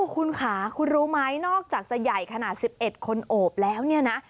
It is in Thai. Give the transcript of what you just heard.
คุณค่ะคุณรู้ไหมนอกจากจะใหญ่ขนาด๑๑คนโอบแล้วเนี่ยนะ